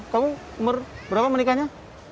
kamu berapa umur menikahnya